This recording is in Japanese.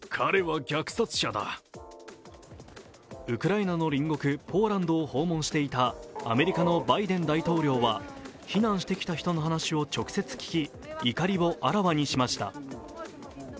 ウクライナの隣国ポーランドを訪問していたアメリカのバイデン大統領は、避難してきた人の話を直接聞き怒りをあらわにしました。